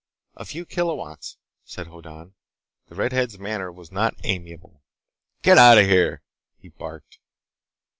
"A few kilowatts," said Hoddan. The redhead's manner was not amiable. "Get outta here!" he barked.